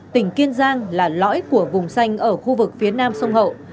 tỉnh kiên giang là lõi của vùng xanh ở khu vực phía nam sông hậu